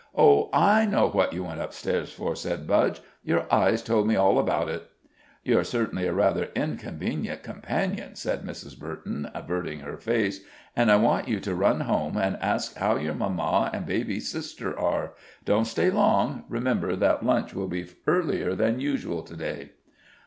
"Oh, I know what you went up stairs for?" said Budge. "Your eyes told me all about it." "You're certainly a rather inconvenient companion," said Mrs. Burton, averting her face, "and I want you to run home and ask how your mamma and baby sister are. Don't stay long; remember that lunch will be earlier than usual to day."